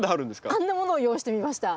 あんなものを用意してみました。